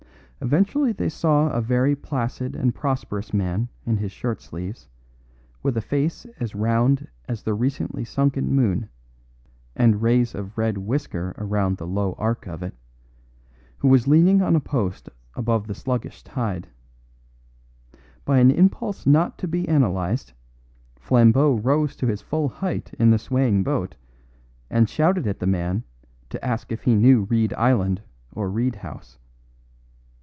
Eventually they saw a very placid and prosperous man in his shirt sleeves, with a face as round as the recently sunken moon, and rays of red whisker around the low arc of it, who was leaning on a post above the sluggish tide. By an impulse not to be analysed, Flambeau rose to his full height in the swaying boat and shouted at the man to ask if he knew Reed Island or Reed House.